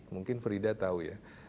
mungkin frida tau ya